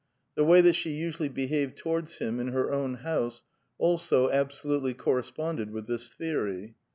The way that she usually behaved towards him in her own house, also absolutel}* cor res|)onded with this theory.